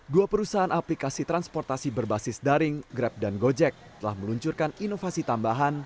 dua perusahaan aplikasi transportasi berbasis daring grab dan gojek telah meluncurkan inovasi tambahan